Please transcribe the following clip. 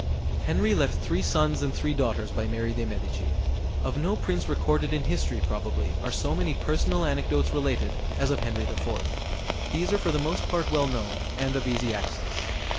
Henry left three sons and three daughters by Mary de Medici. Of no prince recorded in history, probably, are so many personal anecdotes related, as of Henry IV. These are for the most part well known, and of easy access.